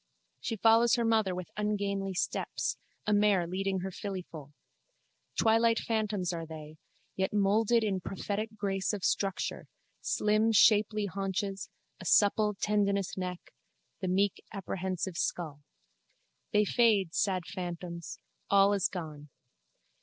She follows her mother with ungainly steps, a mare leading her fillyfoal. Twilight phantoms are they, yet moulded in prophetic grace of structure, slim shapely haunches, a supple tendonous neck, the meek apprehensive skull. They fade, sad phantoms: all is gone.